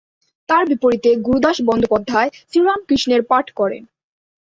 তাঁর বিপরীতে গুরুদাস বন্দ্যোপাধ্যায় শ্রীরামকৃষ্ণের পাট করেন।